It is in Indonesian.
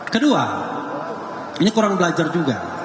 kedua ini kurang belajar juga